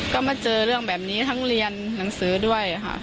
ก็มาเจอเรื่องแบบนี้ทั้งเรียนหนังสือด้วยค่ะ